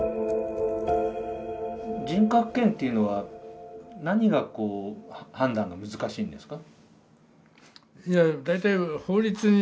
人格権というのは何がこう判断が難しいんですか？